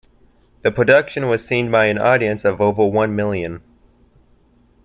The production was seen by an audience of over one million.